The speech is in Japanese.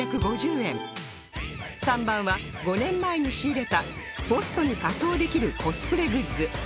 ３番は５年前に仕入れたポストに仮装できるコスプレグッズ